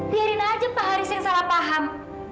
biarin aja pak haris yang salah paham